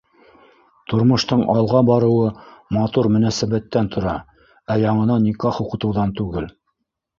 Тормоштоң алға барыуы матур мөнәсәбәттән тора, ә яңынан никах уҡытыуҙан түгел.